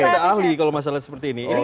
tapi ada ahli kalau masih lihat seperti ini